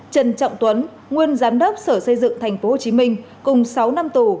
trần trọng tuấn nguyên giám đốc sở xây dựng tp hcm cùng sáu năm tù